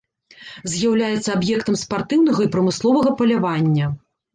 З'яўляецца аб'ектам спартыўнага і прамысловага палявання.